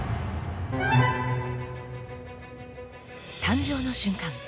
誕生の瞬間